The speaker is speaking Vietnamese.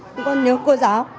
chúng con nhớ cô giáo